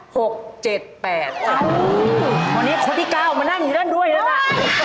ตอนนี้คนที่๙มานั่งอยู่ด้านด้วยแล้วล่ะ